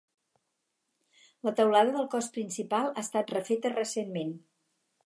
La teulada del cos principal ha estat refeta recentment.